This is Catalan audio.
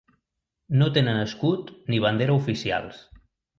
No tenen escut ni bandera oficials: